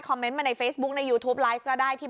เมนต์มาในเฟซบุ๊คในยูทูปไลฟ์ก็ได้